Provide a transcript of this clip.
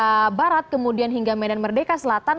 medan merdeka barat kemudian hingga medan merdeka selatan